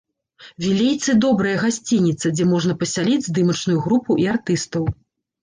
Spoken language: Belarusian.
Вілейцы добрая гасцініца, дзе можна пасяліць здымачную групу і артыстаў.